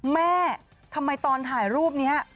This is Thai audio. แม่ทำไมตอนถ่ายรูปนี้